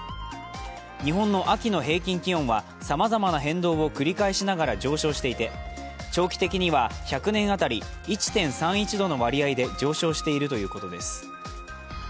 日本の秋の平均気温はさまざまな変動を繰り返しながら上昇していて長期的には１００年当たり１．３１度の割合で上昇しているということです。